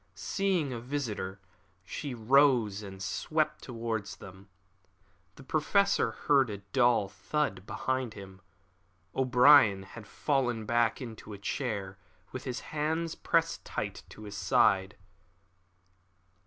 Seeing a visitor, she rose and swept towards them. The Professor heard a dull thud behind him. O'Brien had fallen back into a chair, with his hand pressed tight to his side.